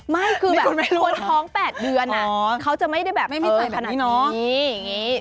ไม่คือแบบคนท้อง๘เดือนน่ะเขาจะไม่ได้แบบแบบนี้อย่างนี้นี่คุณไม่รู้